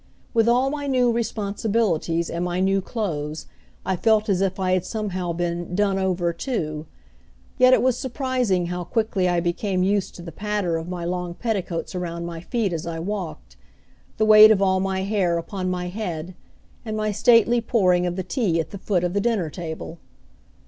With all my new responsibilities, and my new clothes I felt as if I had somehow been "done over" too. Yet it was surprising how quickly I became used to the patter of my long petticoats around my feet as I walked, the weight of all my hair upon my head, and my stately pouring of the tea at the foot of the dinner table.